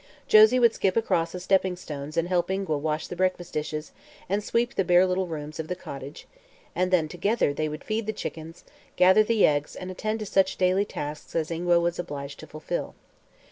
Josie would skip across the stepping stones and help Ingua wash the breakfast dishes and sweep the bare little rooms of the cottage and then together they would feed the chickens, gather the eggs and attend to such daily tasks as Ingua was obliged to fulfill.